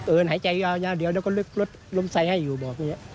เอิญหายใจอย่างเดียวแล้วก็ลดลมไซด์ให้อยู่บอกอย่างเนี้ย